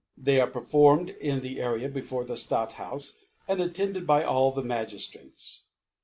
They arc performed in the Area before the Stadt houfe, and attended by all the Magiftrates.